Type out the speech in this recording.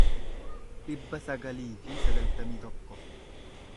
dhibba sagalii fi sagaltamii tokko